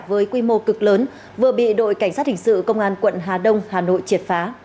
với quy mô cực lớn vừa bị đội cảnh sát hình sự công an quận hà đông hà nội triệt phá